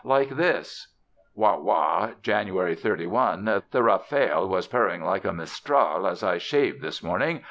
Like this: WAO WAO, Jan. 31. The rafale was purring like a mistral as I shaved this morning.